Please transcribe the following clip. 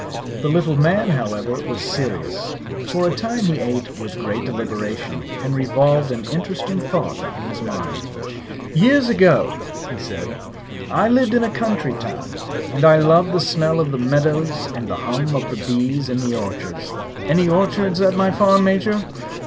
The little man, however, was serious. For a time he ate with great deliberation and revolved an interesting thought in his mind. "Years ago." said he, "I lived in a country town; and I love the smell of the meadows and the hum of the bees in the orchards. Any orchards at my farm, Major?"